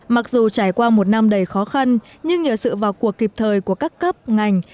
mặc dù trải qua một năm đầy khó khăn nhưng nhờ sự vào cuộc kịp thời của các cấp ngành